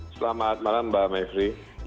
selamat malam mbak mavri